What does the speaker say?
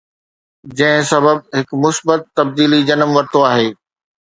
جنهن سبب هڪ مثبت تبديلي جنم ورتو آهي